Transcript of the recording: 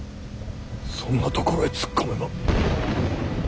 そんなところへ突っ込めば。